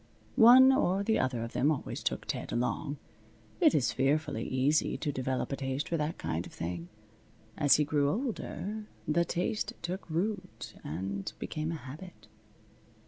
One or the other of them always took Ted along. It is fearfully easy to develop a taste for that kind of thing. As he grew older, the taste took root and became a habit.